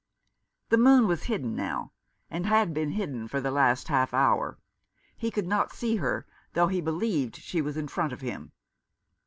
The moon was hidden now, and had been hidden for the last half hour. He could not see her, though he believed she was in front of him.